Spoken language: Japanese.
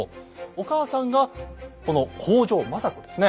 お母さんがこの北条政子ですね。